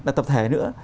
là tập thể nữa